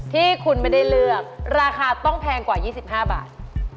ที่คุณมาได้เลือกราคาต้องแพงกว่ายี่สิบห้าบาท